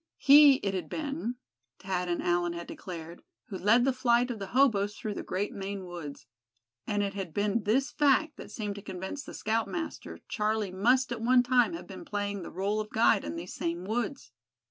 He it had been, Thad and Allan had declared, who led the flight of the hoboes through the great Maine woods. And it had been this fact that seemed to convince the scoutmaster Charlie must at one time have been playing the rôle of guide in these same woods.